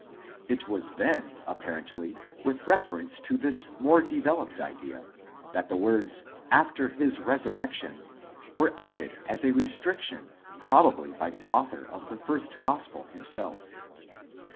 It was then apparently with reference to this more developed idea, that the words after his resurrection were added as a restriction, probably by the author of the first gospel himself.